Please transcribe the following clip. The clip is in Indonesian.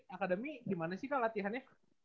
akademi gimana sih kak latihannya